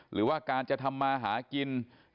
หรือว่าการจะทำมาหากิน